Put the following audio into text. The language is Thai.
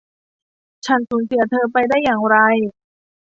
ฉันสูญเสียเธอไปได้อย่างไร